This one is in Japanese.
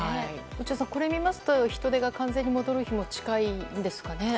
落合さん、これを見ますと人出が完全に戻る日も近いんですかね？